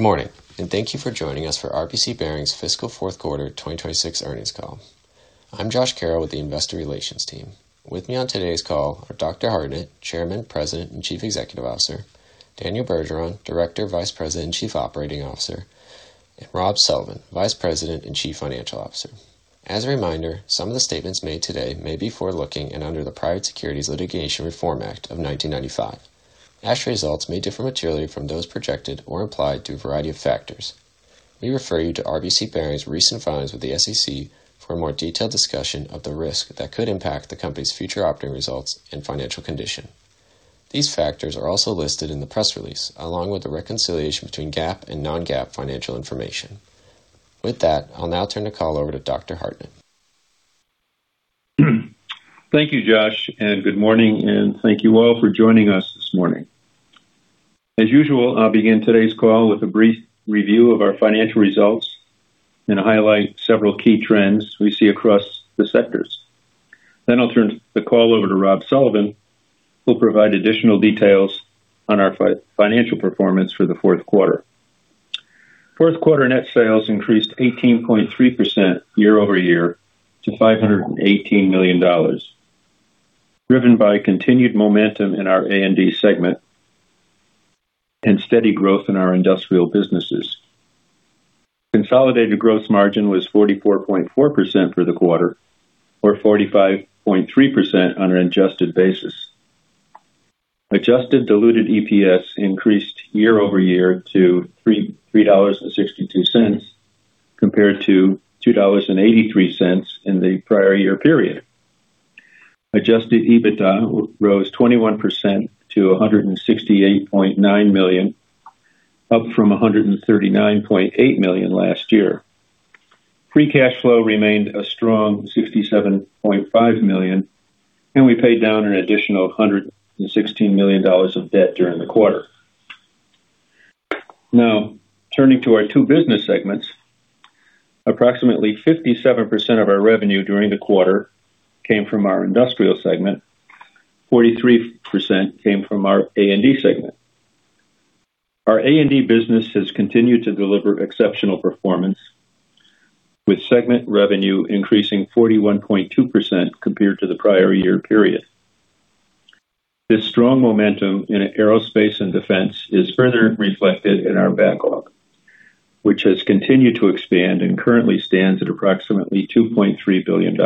Good morning, and thank you for joining us for RBC Bearings' fiscal fourth quarter 2026 earnings call. I'm Josh Carroll with the investor relations team. With me on today's call are Dr. Hartnett, Chairman, President, and Chief Executive Officer; Daniel Bergeron, Director, Vice President, and Chief Operating Officer; and Rob Sullivan, Vice President and Chief Financial Officer. As a reminder, some of the statements made today may be forward-looking and under the Private Securities Litigation Reform Act of 1995. Actual results may differ materially from those projected or implied due to a variety of factors. We refer you to RBC Bearings' recent filings with the SEC for a more detailed discussion of the risk that could impact the company's future operating results and financial condition. These factors are also listed in the press release, along with a reconciliation between GAAP and non-GAAP financial information. With that, I'll now turn the call over to Dr. Hartnett. Thank you, Josh, and good morning, and thank you all for joining us this morning. As usual, I'll begin today's call with a brief review of our financial results and highlight several key trends we see across the sectors. I'll turn the call over to Rob Sullivan, who'll provide additional details on our financial performance for the fourth quarter. Fourth quarter net sales increased 18.3% year-over-year to $518 million, driven by continued momentum in our A&D segment and steady growth in our industrial businesses. Consolidated gross margin was 44.4% for the quarter or 45.3% on an adjusted basis. Adjusted diluted EPS increased year-over-year to $3.62 compared to $2.83 in the prior year period. Adjusted EBITDA rose 21% to $168.9 million, up from $139.8 million last year. Free cash flow remained a strong $67.5 million, and we paid down an additional $116 million of debt during the quarter. Turning to our two business segments. Approximately 57% of our revenue during the quarter came from our industrial segment. 43% came from our A&D segment. Our A&D business has continued to deliver exceptional performance with segment revenue increasing 41.2% compared to the prior year period. This strong momentum in aerospace and defense is further reflected in our backlog, which has continued to expand and currently stands at approximately $2.3 billion.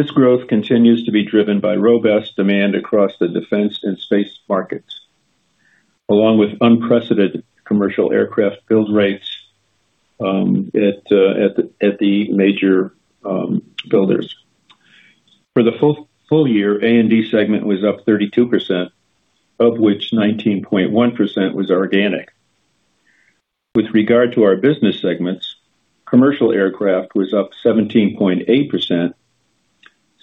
This growth continues to be driven by robust demand across the defense and space markets, along with unprecedented commercial aircraft build rates at the major builders. For the full year, A&D segment was up 32%, of which 19.1% was organic. With regard to our business segments, commercial aircraft was up 17.8%,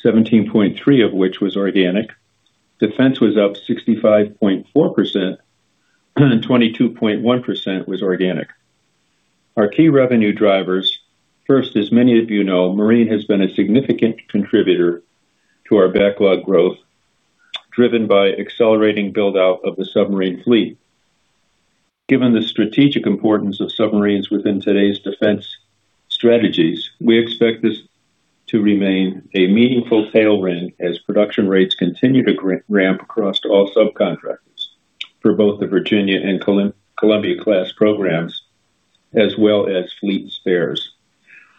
17.3% of which was organic. Defense was up 65.4%, 22.1% was organic. Our key revenue drivers, first, as many of you know, marine has been a significant contributor to our backlog growth, driven by accelerating build-out of the submarine fleet. Given the strategic importance of submarines within today's defense strategies, we expect this to remain a meaningful tailwind as production rates continue to ramp across all subcontractors for both the Virginia and Columbia class programs, as well as fleet spares.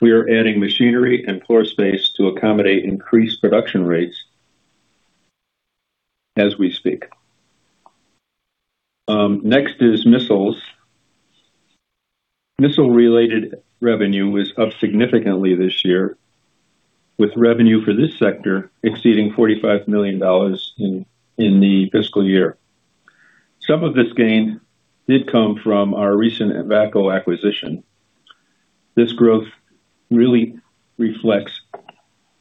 We are adding machinery and floor space to accommodate increased production rates as we speak. Next is missiles. Missile-related revenue was up significantly this year, with revenue for this sector exceeding $45 million in the fiscal year. Some of this gain did come from our recent VACCO acquisition. This growth really reflects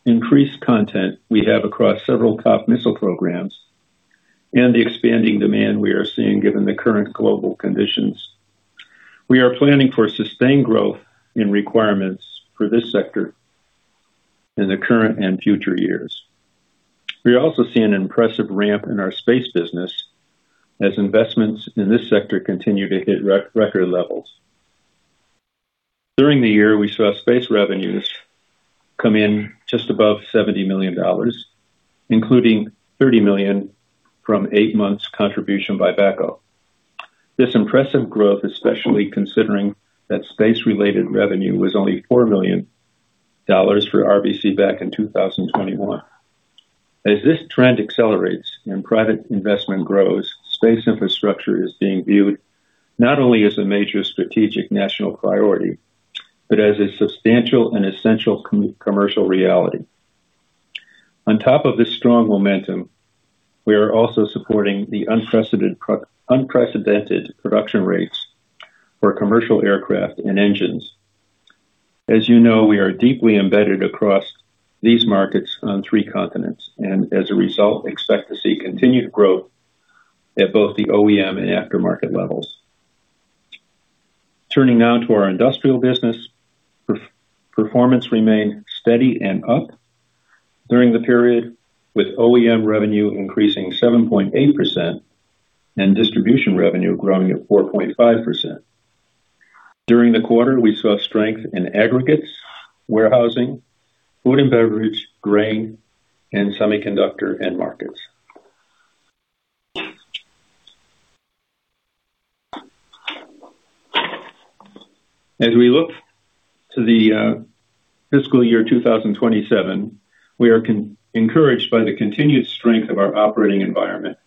increased content we have across several top missile programs and the expanding demand we are seeing given the current global conditions. We are planning for sustained growth in requirements for this sector in the current and future years. We also see an impressive ramp in our space business as investments in this sector continue to hit record levels. During the year, we saw space revenues come in just above $70 million, including $30 million from 8 months' contribution by VACCO. This impressive growth, especially considering that space-related revenue was only $4 million for RBC back in 2021. As this trend accelerates and private investment grows, space infrastructure is being viewed not only as a major strategic national priority, but as a substantial and essential commercial reality. On top of this strong momentum, we are also supporting the unprecedented production rates for commercial aircraft and engines. As you know, we are deeply embedded across these markets on three continents and as a result, expect to see continued growth at both the OEM and aftermarket levels. Turning now to our industrial business. Performance remained steady and up during the period, with OEM revenue increasing 7.8% and distribution revenue growing at 4.5%. During the quarter, we saw strength in aggregates, warehousing, food and beverage, grain, and semiconductor end markets. As we look to the fiscal year 2027, we are encouraged by the continued strength of our operating environment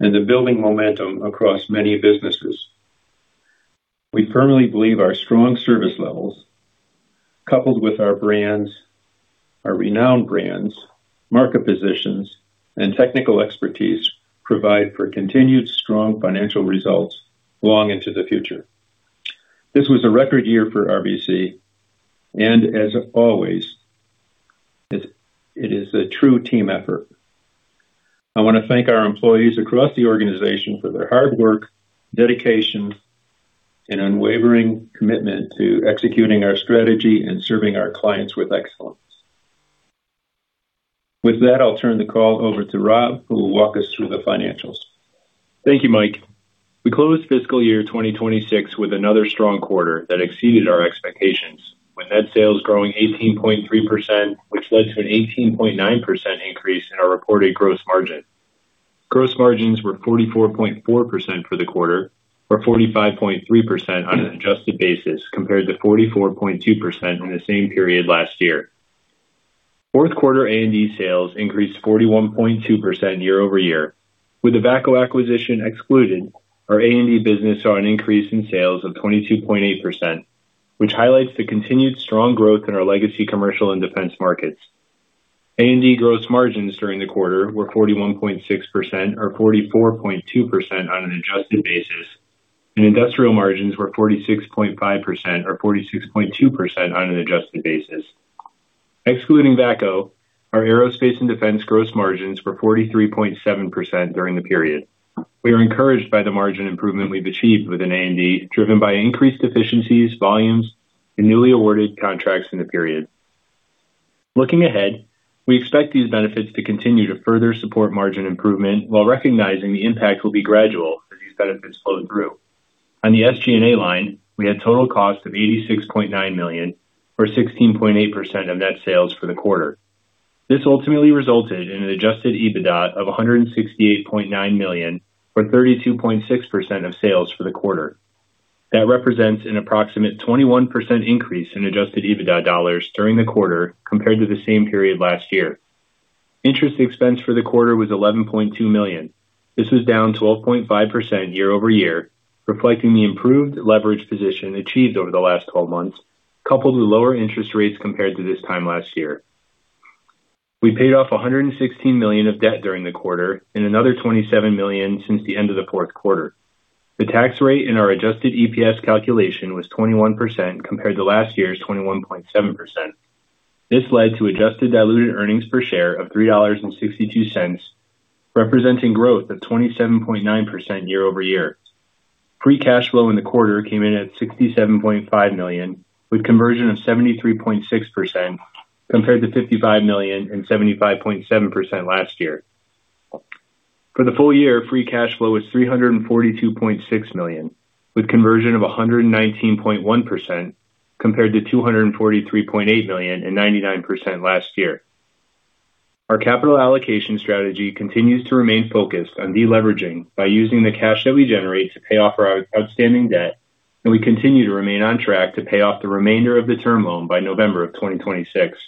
and the building momentum across many businesses. We firmly believe our strong service levels, coupled with our renowned brands, market positions, and technical expertise, provide for continued strong financial results long into the future. This was a record year for RBC and as always, it is a true team effort. I wanna thank our employees across the organization for their hard work, dedication, and unwavering commitment to executing our strategy and serving our clients with excellence. With that, I'll turn the call over to Rob, who will walk us through the financials. Thank you, Mike. We closed fiscal year 2026 with another strong quarter that exceeded our expectations, with net sales growing 18.3%, which led to an 18.9% increase in our reported gross margin. Gross margins were 44.4% for the quarter, or 45.3% on an adjusted basis compared to 44.2% in the same period last year. Fourth quarter A&D sales increased 41.2% year-over-year. With the VACCO acquisition excluded, our A&D business saw an increase in sales of 22.8%, which highlights the continued strong growth in our legacy commercial and defense markets. A&D gross margins during the quarter were 41.6% or 44.2% on an adjusted basis, and industrial margins were 46.5% or 46.2% on an adjusted basis. Excluding VACCO, our aerospace and defense gross margins were 43.7% during the period. We are encouraged by the margin improvement we've achieved with A&D, driven by increased efficiencies, volumes, and newly awarded contracts in the period. Looking ahead, we expect these benefits to continue to further support margin improvement while recognizing the impact will be gradual as these benefits flow through. On the SG&A line, we had total cost of $86.9 million or 16.8% of net sales for the quarter. This ultimately resulted in an adjusted EBITDA of $168.9 million or 32.6% of sales for the quarter. That represents an approximate 21% increase in adjusted EBITDA dollars during the quarter compared to the same period last year. Interest expense for the quarter was $11.2 million. This was down 12.5% year-over-year, reflecting the improved leverage position achieved over the last 12 months, coupled with lower interest rates compared to this time last year. We paid off $116 million of debt during the quarter and another $27 million since the end of the fourth quarter. The tax rate in our adjusted EPS calculation was 21% compared to last year's 21.7%. This led to adjusted diluted earnings per share of $3.62, representing growth of 27.9% year-over-year. Free cash flow in the quarter came in at $67.5 million with conversion of 73.6% compared to $55 million and 75.7% last year. For the full year, free cash flow was $342.6 million with conversion of 119.1% compared to $243.8 million and 99% last year. Our capital allocation strategy continues to remain focused on deleveraging by using the cash that we generate to pay off our outstanding debt, and we continue to remain on track to pay off the remainder of the term loan by November of 2026.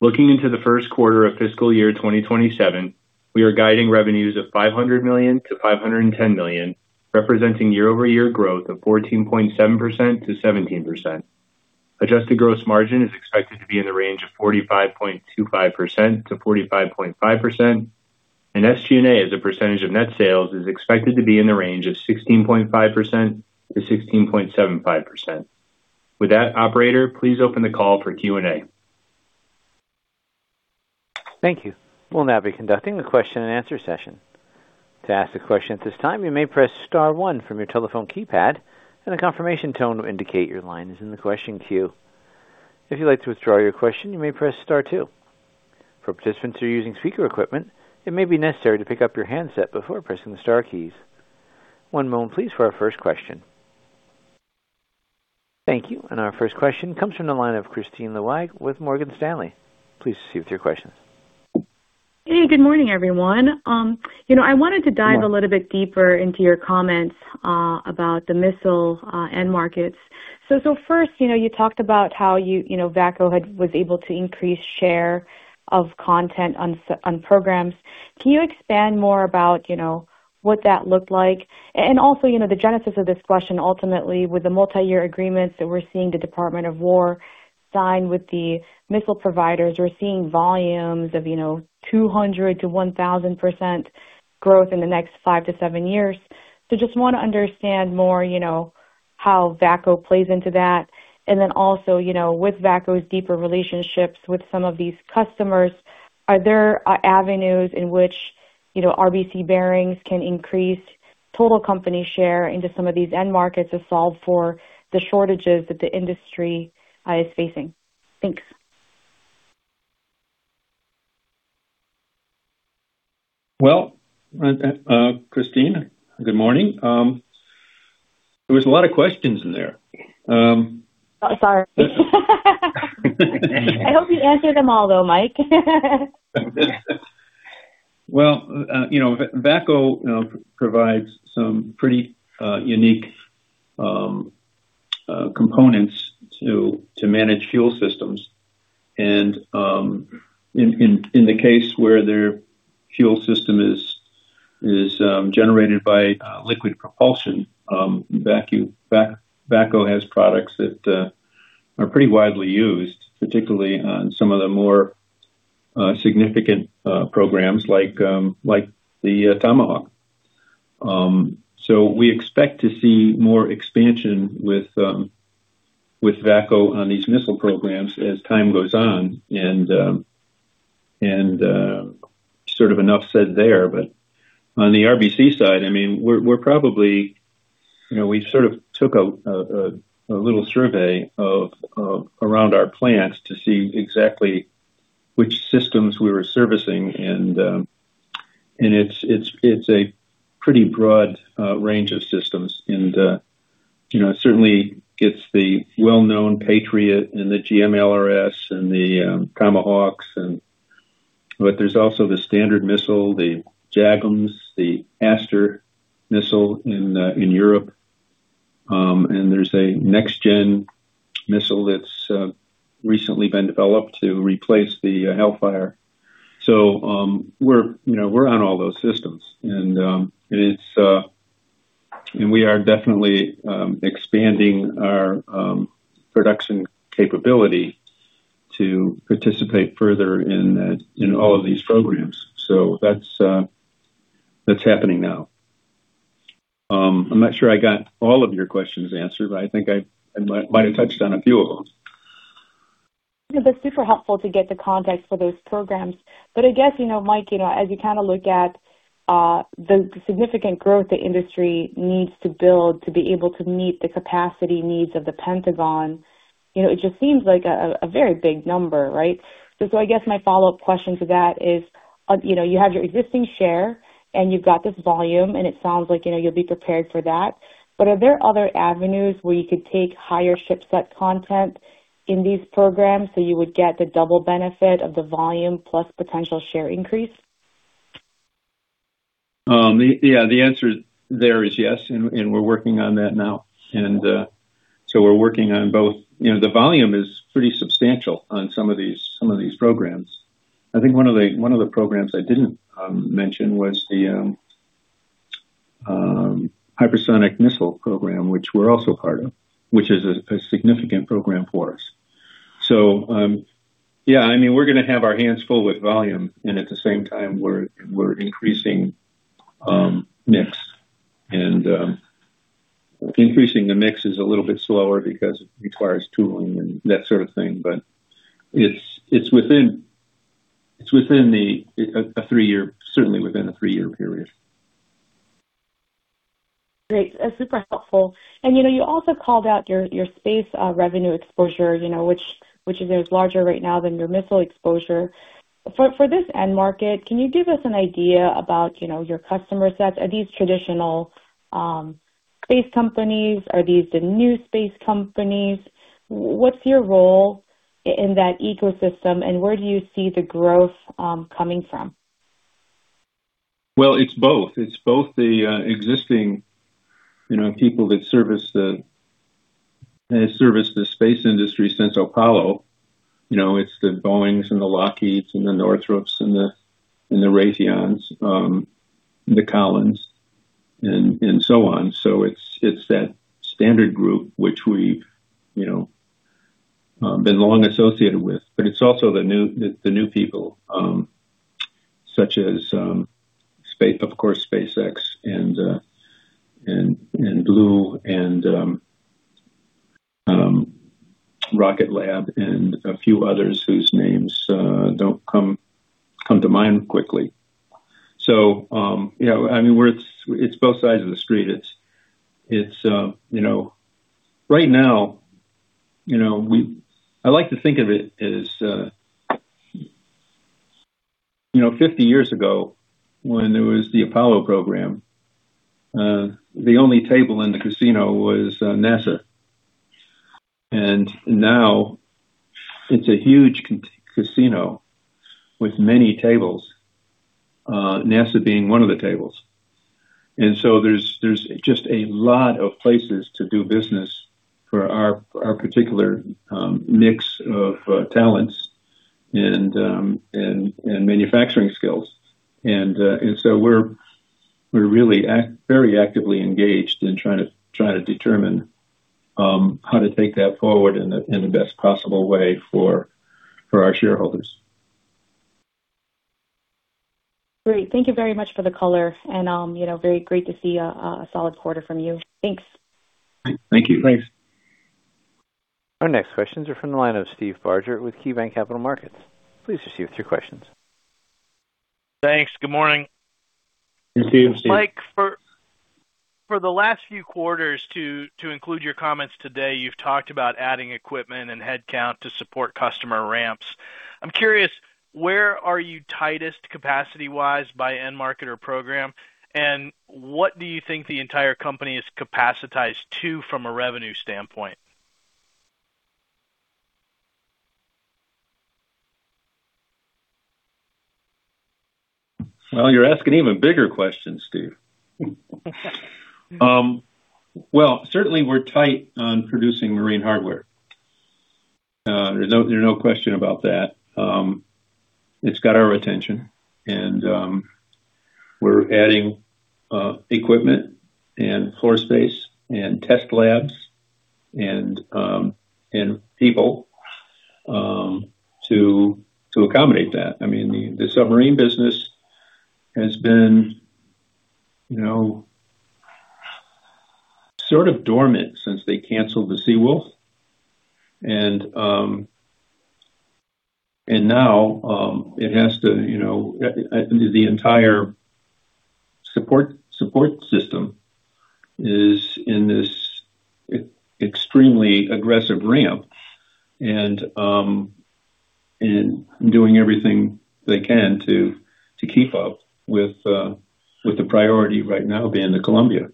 Looking into the first quarter of fiscal year 2027, we are guiding revenues of $500 million-$510 million, representing year-over-year growth of 14.7%-17%. Adjusted gross margin is expected to be in the range of 45.25%-45.5%, and SG&A as a percentage of net sales is expected to be in the range of 16.5%-16.75%. With that, operator, please open the call for Q&A. Thank you. We'll now be conducting the Q&A session. To ask a this time question you may press star one on your telephone keypad. A confirmation tone will indicate that your line is in the question queue. If you would like to withdraw your question you may press star two. For participants using the speakerphone it may be necessary to pick up your handset before pressing the star key. One moment for our first question. Thank you. Our first question comes from the line of Kristine Liwag with Morgan Stanley. Please proceed with your question. Hey, good morning, everyone. You know, I wanted to dive a little bit deeper into your comments about the missile end markets. First, you know, you talked about how you know, VACCO was able to increase share of content on programs. Can you expand more about, you know, what that looked like? And also, you know, the genesis of this question ultimately with the multi-year agreements that we're seeing the Department of Defense sign with the missile providers. We're seeing volumes of, you know, 200%-1,000% growth in the next 5 years-7 years. Just wanna understand more, you know, how VACCO plays into that. Also, you know, with VACCO's deeper relationships with some of these customers, are there avenues in which you know, RBC Bearings can increase total company share into some of these end markets to solve for the shortages that the industry is facing? Thanks. Well, Kristine, good morning. There was a lot of questions in there. Oh, sorry. I hope you answered them all, though, Mike. Well, VACCO provides some pretty unique components to manage fuel systems. In the case where their fuel system is generated by liquid propulsion, VACCO has products that are pretty widely used, particularly on some of the more significant programs like the Tomahawk. We expect to see more expansion with VACCO on these missile programs as time goes on. Sort of enough said there. On the RBC Bearings side, We sort of took a little survey around our plants to see exactly which systems we were servicing, and it's a pretty broad range of systems. It certainly gets the well-known Patriot and the GMLRS and the Tomahawks, but there's also the Standard Missile, the JAGM, the ASTER missile in Europe. There's a next gen missile that's recently been developed to replace the Hellfire. We're, you know, we're on all those systems. It is, and we are definitely expanding our production capability to participate further in all of these programs. That's happening now. I'm not sure I got all of your questions answered, but I think I might have touched on a few of them. Yeah. That's super helpful to get the context for those programs. I guess, you know, Mike, you know, as you kind of look at, the significant growth the industry needs to build to be able to meet the capacity needs of the Pentagon, you know, it just seems like a very big number, right? I guess my follow-up question to that is, you know, you have your existing share, and you've got this volume, and it sounds like, you know, you'll be prepared for that. Are there other avenues where you could take higher ship-set content in these programs, so you would get the double benefit of the volume plus potential share increase? Yeah, the answer there is yes, and we're working on that now. So we're working on both. You know, the volume is pretty substantial on some of these, some of these programs. I think one of the programs I didn't mention was the hypersonic missile program, which we're also part of, which is a significant program for us. Yeah, I mean, we're gonna have our hands full with volume, and at the same time, we're increasing mix. Increasing the mix is a little bit slower because it requires tooling and that sort of thing. But it's within, it's within a three year, certainly within a three year period. Great. Super helpful. You know, you also called out your space revenue exposure, you know, which is larger right now than your missile exposure. For this end market, can you give us an idea about, you know, your customer set? Are these traditional space companies? Are these the new space companies? What's your role in that ecosystem, and where do you see the growth coming from? Well, it's both. It's both the existing, you know, people that service the, that have serviced the space industry since Apollo. You know, it's the Boeings and the Lockheeds and the Northrops and the Raytheons, the Collins and so on. It's that standard group, which we've, you know, been long associated with. It's also the new, the new people, such as SpaceX, Blue, Rocket Lab and a few others whose names don't come to mind quickly. You know, I mean, we're it's both sides of the street. It's, you know Right now, you know, I like to think of it as, you know, 50 years ago, when there was the Apollo program, the only table in the casino was NASA. Now it's a huge casino with many tables, NASA being one of the tables. So there's just a lot of places to do business for our particular mix of talents and manufacturing skills. So we're really very actively engaged in trying to, trying to determine how to take that forward in the best possible way for our shareholders. Great. Thank you very much for the color, and, you know, very great to see a solid quarter from you. Thanks. Thank you. Thanks. Our next questions are from the line of Steve Barger with KeyBanc Capital Markets. Please proceed with your questions. Thanks. Good morning. To you Steve. Mike, for the last few quarters to include your comments today, you've talked about adding equipment and headcount to support customer ramps. I'm curious, where are you tightest capacity-wise by end market or program? What do you think the entire company is capacitized to from a revenue standpoint? Well, you're asking even bigger questions, Steve. Well, certainly we're tight on producing marine hardware. There's no question about that. It's got our attention and we're adding equipment and floor space and test labs and people to accommodate that. I mean, the submarine business has been, you know, sort of dormant since they canceled the Seawolf. Now, it has to, you know, the entire support system is in this extremely aggressive ramp and doing everything they can to keep up with the priority right now being the Columbia.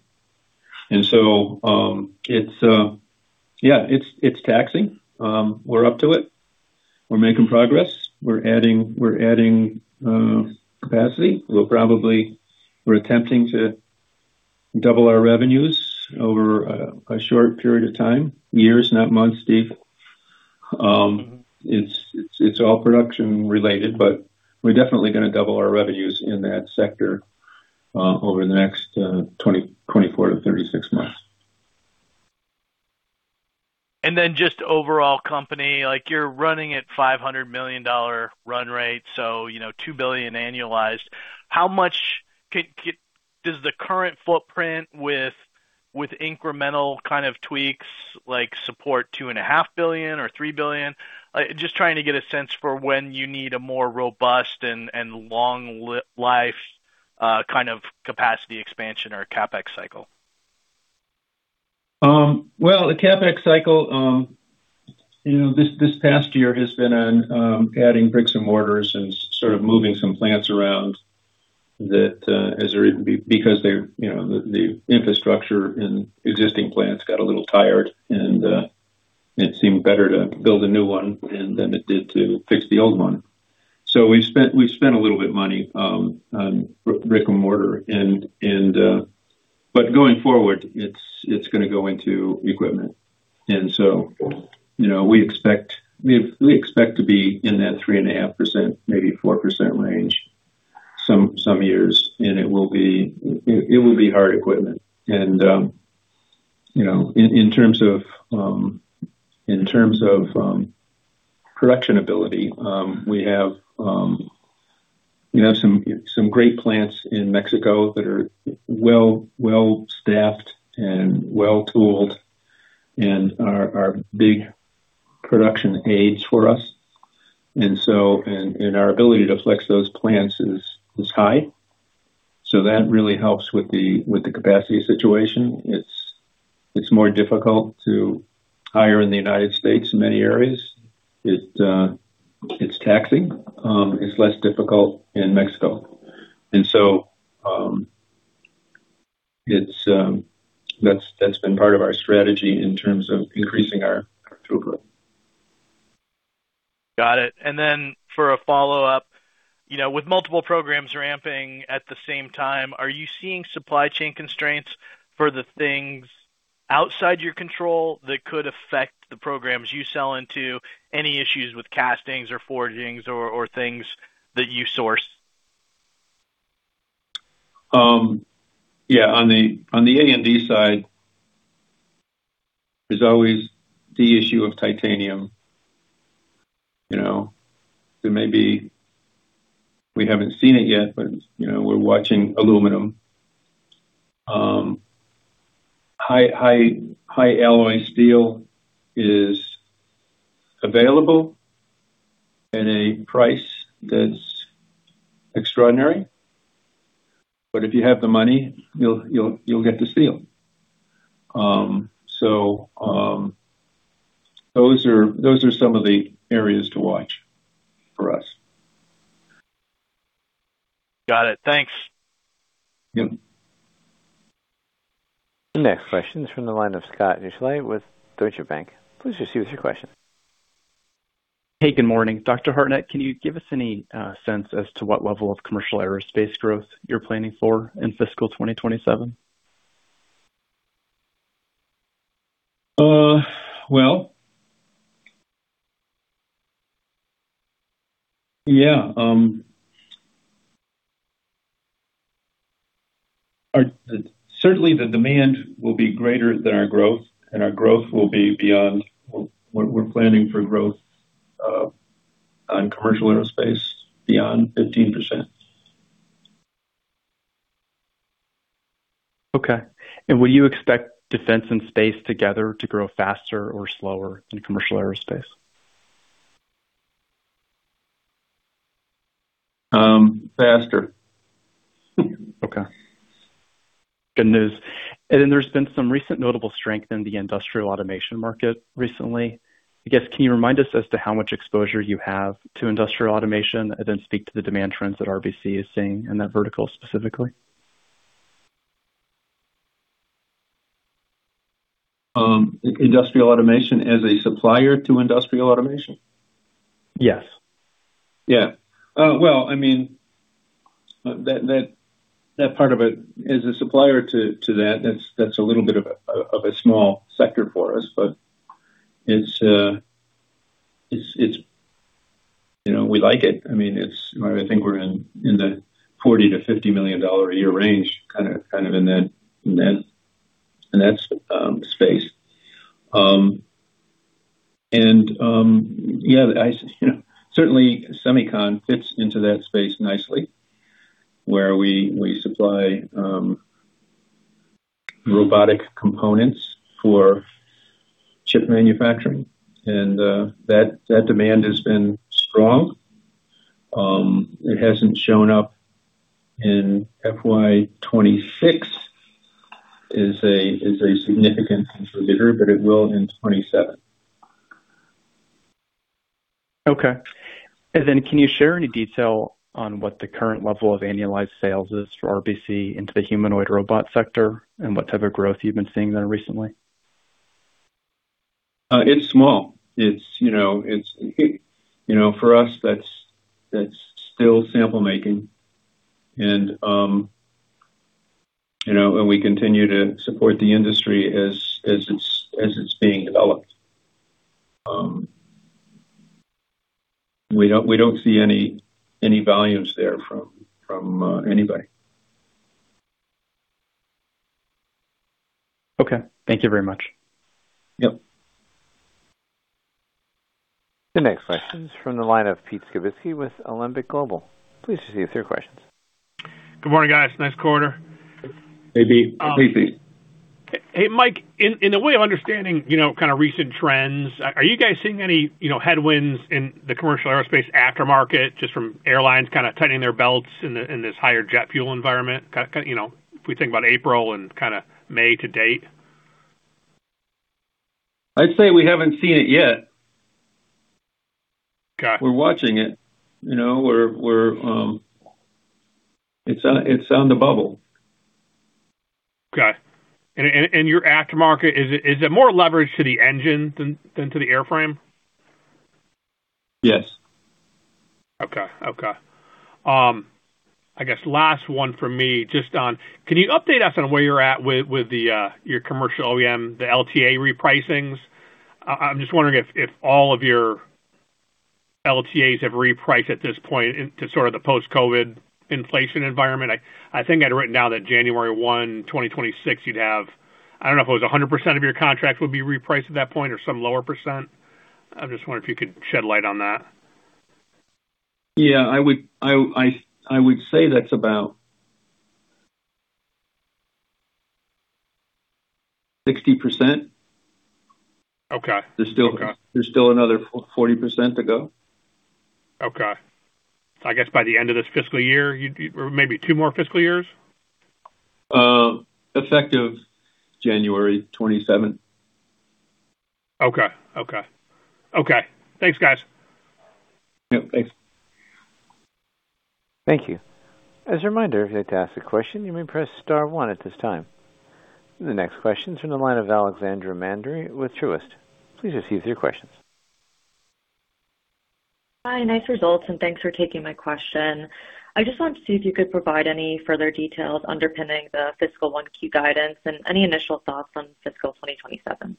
Yeah, it's taxing. We're up to it. We're making progress. We're adding capacity. We're attempting to double our revenues over a short period of time. Years, not months, Steve. It's all production related, but we're definitely gonna double our revenues in that sector, over the next 24 months-36 months. Just overall company, like you're running at $500 million run rate, so you know, $2 billion annualized. How much does the current footprint with incremental kind of tweaks like support $2.5 billion or $3 billion? Just trying to get a sense for when you need a more robust and long life kind of capacity expansion or CapEx cycle. Well, the CapEx cycle, this past year has been on adding bricks and mortars and sort of moving some plants around because the infrastructure and existing plants got a little tired and it seemed better to build a new one than it did to fix the old one. We've spent a little bit of money on brick and mortar, but going forward, it's gonna go into equipment. We expect to be in that 3.5%, maybe 4% range some years, and it will be hard equipment. You know, in terms of production ability, we have some great plants in Mexico that are well-staffed and well-tooled and are big production aids for us. Our ability to flex those plants is high. That really helps with the capacity situation. It's more difficult to hire in the United States in many areas. It's taxing. It's less difficult in Mexico. That's been part of our strategy in terms of increasing our throughput. Got it. For a follow-up, you know, with multiple programs ramping at the same time, are you seeing supply chain constraints for the things outside your control that could affect the programs you sell into? Any issues with castings or forgings or things that you source? On the A&D side, there's always the issue of titanium. We haven't seen it yet, but we're watching aluminum. High alloy steel is available at a price that's extraordinary. If you have the money, you'll get the steel. Those are some of the areas to watch for us. Got it. Thanks. Yep. The next question is from the line of Scott Deuschle with Deutsche Bank. Please proceed with your question. Hey, good morning. Dr. Hartnett, can you give us any sense as to what level of commercial aerospace growth you're planning for in fiscal 2027? Well, yeah. Certainly the demand will be greater than our growth, and our growth will be beyond we're planning for growth, on commercial aerospace beyond 15%. Okay. Will you expect defense and space together to grow faster or slower than commercial aerospace? Faster. Okay. Good news. There's been some recent notable strength in the industrial automation market recently. I guess, can you remind us as to how much exposure you have to industrial automation, and then speak to the demand trends that RBC is seeing in that vertical specifically? Industrial automation as a supplier to industrial automation? Yes. Yeah. Well, I mean, that part of it, as a supplier to that's a little bit of a small sector for us, but it's, you know, we like it. I mean, I think we're in the $40 million-$50 million a year range, kind of in that space. You know, certainly semicon fits into that space nicely, where we supply robotic components for chip manufacturing and, that demand has been strong. It hasn't shown up in FY 2026 as a significant contributor, but it will in 2027. Okay. Can you share any detail on what the current level of annualized sales is for RBC into the humanoid robot sector and what type of growth you've been seeing there recently? It's small. It's, you know, You know, for us, that's still sample making and, you know, and we continue to support the industry as it's being developed. We don't see any volumes there from anybody. Okay. Thank you very much. Yep. The next question is from the line of Pete Skibitski with Alembic Global. Please proceed with your questions. Good morning, guys. Nice quarter. Hey, Pete. Please, Pete. Hey, Mike, in the way of understanding, you know, kind of recent trends, are you guys seeing any, you know, headwinds in the commercial aerospace aftermarket, just from airlines kind of tightening their belts in this higher jet fuel environment? You know, if we think about April and kind of May to date. I'd say we haven't seen it yet. Got it. We're watching it, you know. It's on the bubble. Okay. Your aftermarket, is it more leverage to the engine than to the airframe? Yes. Okay. Okay. I guess last one for me, just on can you update us on where you're at with the your commercial OEM, the LTA repricings? I'm just wondering if all of your LTAs have repriced at this point in to sort of the post-COVID inflation environment. I think I'd written down that January 1, 2026, you'd have, I don't know if it was 100% of your contract would be repriced at that point or some lower percent. I'm just wondering if you could shed light on that. Yeah, I would say that's about 60%. Okay. There's still. There's still another 40% to go. Okay. I guess by the end of this fiscal year, or maybe two more fiscal years? Effective January 27th. Okay. Okay. Okay. Thanks, guys. Yep, thanks. Thank you. As a reminder if you want to ask a question you may press star one at this time. The next question is from the line of Alexandra Mandery with Truist. Please proceed with your questions. Hi, nice results, and thanks for taking my question. I just wanted to see if you could provide any further details underpinning the fiscal 1Q guidance and any initial thoughts on fiscal 2027.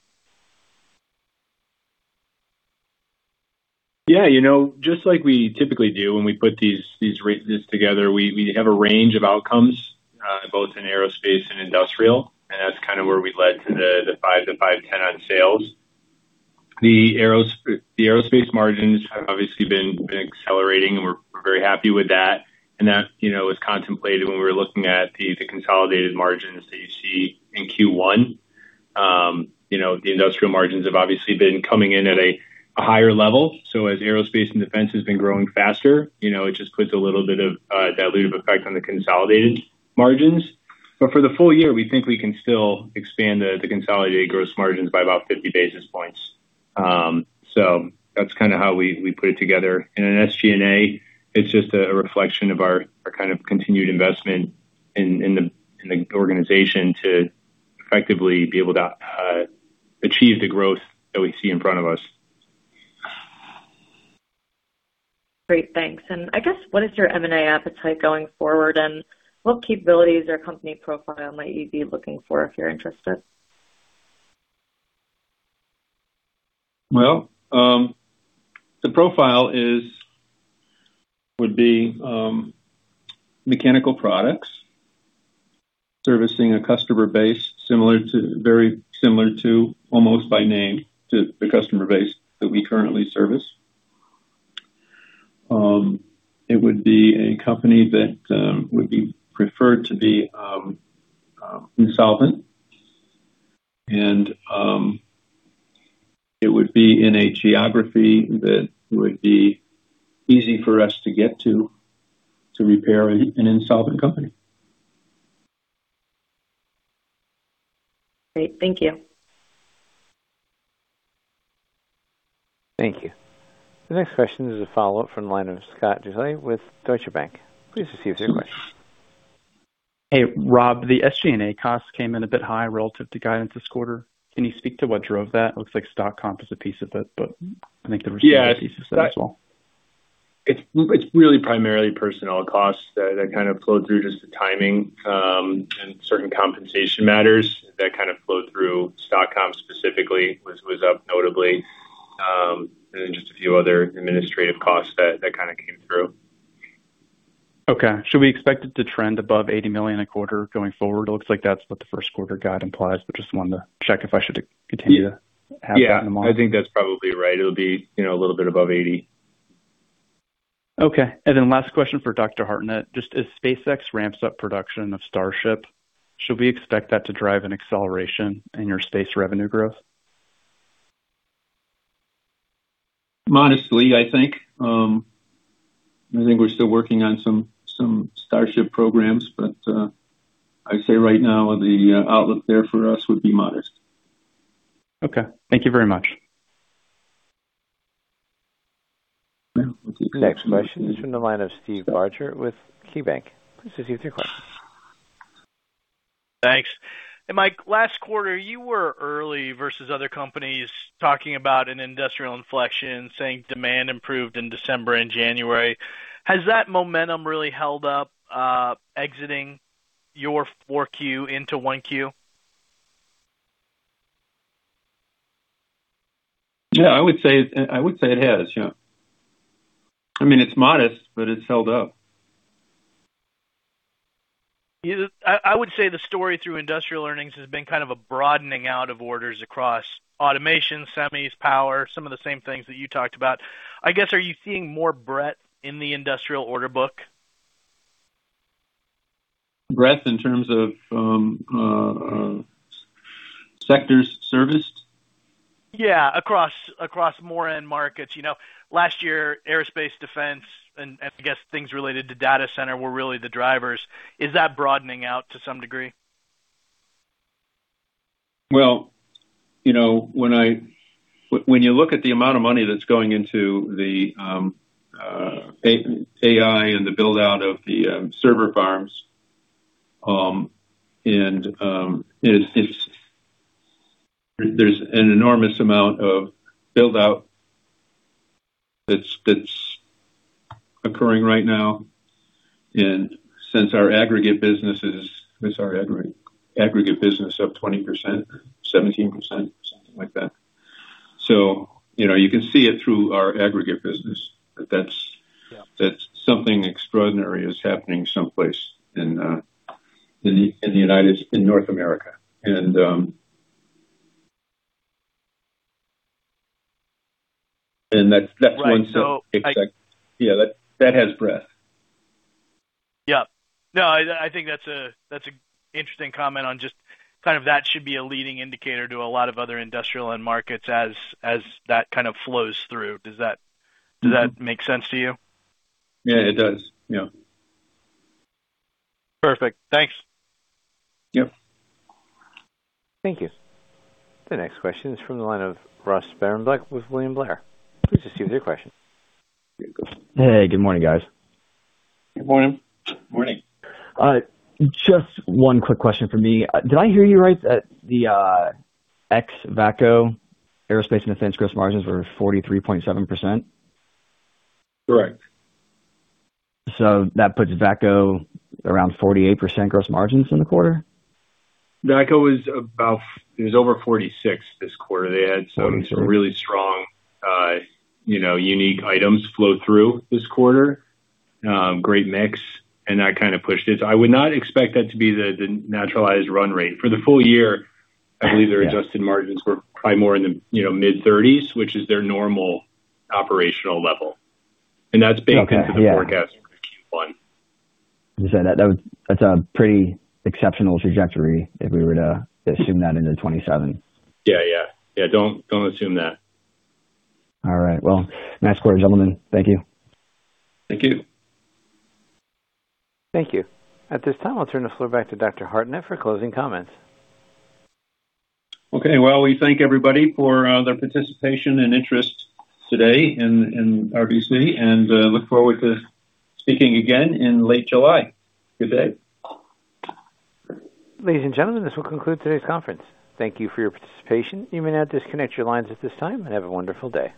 Yeah. You know, just like we typically do when we put this together, we have a range of outcomes, both in aerospace and industrial, and that's kind of where we led to the 5-510 on sales. The aerospace margins have obviously been accelerating, and we're very happy with that. That, you know, was contemplated when we were looking at the consolidated margins that you see in Q1. You know, the industrial margins have obviously been coming in at a higher level. As aerospace and defense has been growing faster, you know, it just puts a little bit of dilutive effect on the consolidated margins. For the full year, we think we can still expand the consolidated gross margins by about 50 basis points. That's kind of how we put it together. SG&A, it's just a reflection of our kind of continued investment in the, in the organization to effectively be able to achieve the growth that we see in front of us. Great. Thanks. I guess, what is your M&A appetite going forward, and what capabilities or company profile might you be looking for if you're interested? Well. The profile would be mechanical products servicing a customer base very similar to almost by name to the customer base that we currently service. It would be a company that would be preferred to be insolvent. It would be in a geography that would be easy for us to get to repair an insolvent company. Great. Thank you. Thank you. The next question is a follow-up from the line of Scott Deuschle with Deutsche Bank. Please proceed with your question. Hey, Rob, the SG&A costs came in a bit high relative to guidance this quarter. Can you speak to what drove that? It looks like stock comp is a piece of it, but I think there were some other pieces of it as well. Yeah. It's really primarily personnel costs that kind of flowed through just the timing, and certain compensation matters that kind of flowed through stock comp specifically was up notably. Then just a few other administrative costs that kind of came through. Okay. Should we expect it to trend above $80 million a quarter going forward? It looks like that's what the first quarter guide implies, but just wanted to check if I should continue to have that in the model. Yeah. I think that's probably right. It'll be, you know, a little bit above $80. Okay. Last question for Dr. Hartnett. As SpaceX ramps up production of Starship, should we expect that to drive an acceleration in your space revenue growth? Modestly, I think. I think we're still working on some Starship programs, but I'd say right now the outlook there for us would be modest. Okay. Thank you very much. Next question is from the line of Steve Barger with KeyBanc. Please proceed with your question. Thanks. Hey, Mike, last quarter, you were early versus other companies talking about an industrial inflection, saying demand improved in December and January. Has that momentum really held up, exiting your 4Q into 1Q? Yeah, I would say it has, yeah. I mean, it's modest, but it's held up. Yeah, I would say the story through industrial earnings has been kind of a broadening out of orders across automation, semis, power, some of the same things that you talked about. I guess, are you seeing more breadth in the industrial order book? Breadth in terms of sectors serviced? Yeah, across more end markets. You know, last year, Aerospace Defense and I guess things related to data center were really the drivers. Is that broadening out to some degree? Well, you know, when you look at the amount of money that's going into the AI and the build-out of the server farms, there's an enormous amount of build-out that's occurring right now. Since our aggregate business is our aggregate business up 20%, 17%, something like that. You know, you can see it through our aggregate business. Yeah. That something extraordinary is happening someplace in North America. That's. Yeah, that has breadth. Yeah. No, I think that's an interesting comment on just kind of that should be a leading indicator to a lot of other industrial end markets as that kind of flows through. Does that make sense to you? Yeah, it does. Yeah. Perfect. Thanks. Yep. Thank you. The next question is from the line of Ross Sparenblek with William Blair. Please proceed with your question. Hey, good morning, guys. Good morning. Morning. Just one quick question from me. Did I hear you right that the ex-VACCO Aerospace and Defense gross margins were 43.7%? Correct. That puts VACCO around 48% gross margins in the quarter? VACCO was about it was over 46% this quarter. They had some really strong, you know, unique items flow through this quarter. Great mix, and that kind of pushed it. I would not expect that to be the naturalized run rate. I believe their adjusted margins were probably more in the, you know, mid-30s, which is their normal operational level. Okay. Yeah. The forecast for Q1. As you said, that's a pretty exceptional trajectory if we were to assume that into 2027. Yeah, yeah. Yeah, don't assume that. All right. Nice quarter, gentlemen. Thank you. Thank you. Thank you. At this time, I'll turn the floor back to Dr. Hartnett for closing comments. Okay. Well, we thank everybody for their participation and interest today in our RBC, and look forward to speaking again in late July. Good day. Ladies and gentlemen, this will conclude today's conference. Thank you for your participation. You may now disconnect your lines at this time, and have a wonderful day.